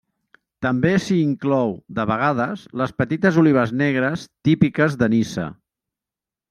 També s'hi inclou de vegades les petites olives negres típiques de Niça.